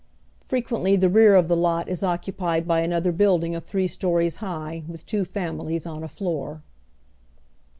Fre quently the rear of the lot is ocenpied byanother bnilding of three stories liigh with two families on a floor."